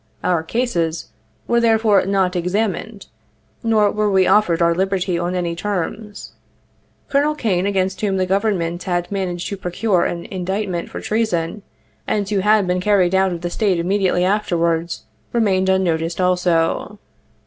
Our "cases" were therefore not "examined," nor were we offered our liberty on any terms. Col. Kane, against whom the Gov ernment had managed to procure an indictment for treason, and who had been carried out of the State immediately afterwards, remained unnoticed, also.